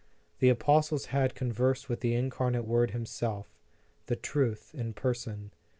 The apostles had conversed with the Incarnate Word Himself, the Truth in person.